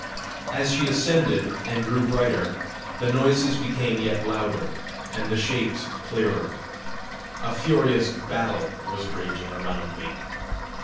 As she ascended and grew brighter, the noises became yet louder, and the shapes clearer. A furious battle was raging around me.